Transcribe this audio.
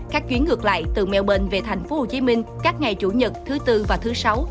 các chuyến ngược lại từ mel về tp hcm các ngày chủ nhật thứ tư và thứ sáu